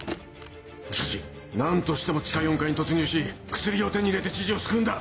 武蔵何としても地下４階に突入し薬を手に入れて知事を救うんだ！